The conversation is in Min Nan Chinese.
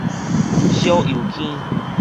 小油坑